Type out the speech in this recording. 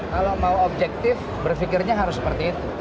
kalau mau objektif berpikirnya harus seperti itu